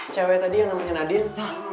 cewek tadi yang namanya nadine